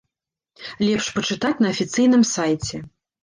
Лепш пачытаць на афіцыйным сайце.